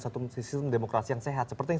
satu sistem demokrasi yang sehat seperti yang